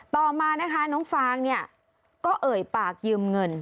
ต่อมานะคะน้องฟางเนี่ยก็เอ่ยปากยืมเงิน